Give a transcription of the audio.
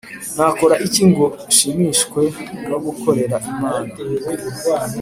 Nakora iki ngo nshimishwe no gukorera Imana